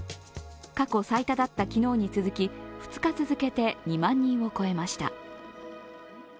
過去最多だった昨日に続き、２日続けて２万人を超えました。